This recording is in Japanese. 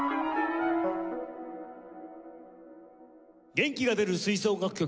元気が出る吹奏楽曲